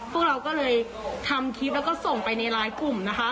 พวกเราก็เลยทำคลิปแล้วก็ส่งไปในไลน์กลุ่มนะคะ